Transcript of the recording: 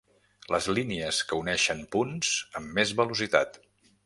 Les línies que uneixen punts amb més velocitat.